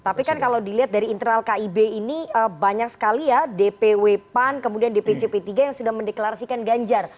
tapi kan kalau dilihat dari internal kib ini banyak sekali ya dpw pan kemudian dpc p tiga yang sudah mendeklarasikan ganjar